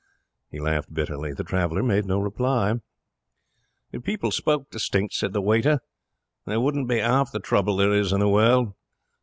He laughed bitterly. The traveller made no reply. 'If people spoke distinct,' said the waiter, 'there wouldn't be half the trouble there is in the world.